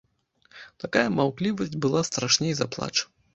Такая маўклівасць была страшней за плач.